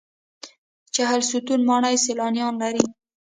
چهلستون ماڼۍ سیلانیان لري